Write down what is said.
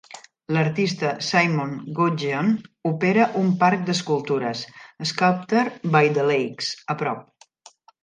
L'artista Simon Gudgeon opera un parc d'escultures, "Sculpture by the Lakes", a prop.